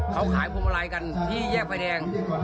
เขาขายผมอะไรกันที่แยกไฟแดง